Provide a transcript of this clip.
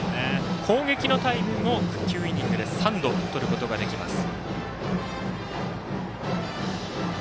攻撃のタイムも９イニングで３度とることができます。